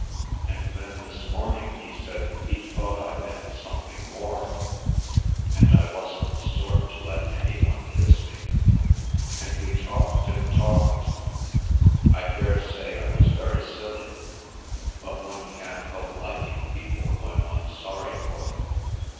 And then this morning he said he'd thought I meant something more, and I wasn't the sort to let any one kiss me. And we talked and talked. I daresay I was very silly, but one can't help liking people when one's sorry for them.